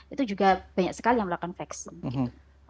itu juga banyak sekali yang melakukan flexing